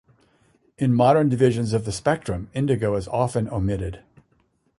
In modern divisions of the spectrum, indigo is often omitted.